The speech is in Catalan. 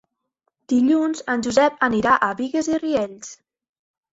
Dilluns en Josep anirà a Bigues i Riells.